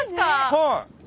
はい。